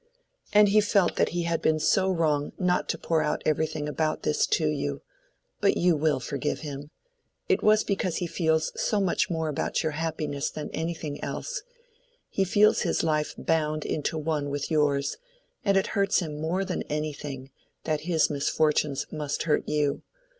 "And he felt that he had been so wrong not to pour out everything about this to you. But you will forgive him. It was because he feels so much more about your happiness than anything else—he feels his life bound into one with yours, and it hurts him more than anything, that his misfortunes must hurt you.